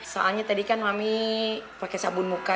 soalnya kan tadi mami pake sabun muka